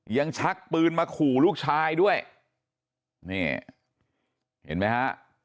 ชักปืนมาขู่ลูกชายด้วยนี่เห็นไหมฮะ